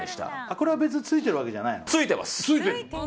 これは別についているわけじゃないの？